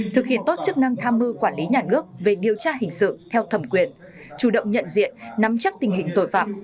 thực hiện tốt chức năng tham mưu quản lý nhà nước về điều tra hình sự theo thẩm quyền chủ động nhận diện nắm chắc tình hình tội phạm